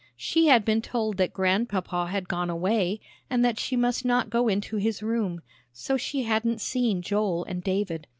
She had been told that Grandpapa had gone away and that she must not go into his room; so she hadn't seen Joel and David.